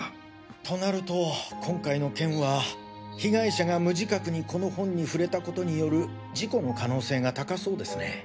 となると今回の件は被害者が無自覚にこの本に触れたことによる事故の可能性が高そうですね。